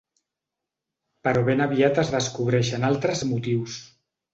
Però ben aviat es descobreixen altres motius.